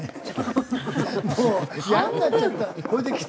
もうイヤになっちゃった！